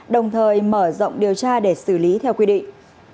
đồng thời mở rộng điều tra để xử lý theo quy định